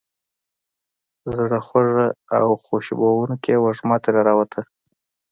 زړه خوږه او خوشبوونکې وږمه ترې را والوته.